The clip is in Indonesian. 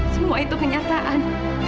semua itu kenyataan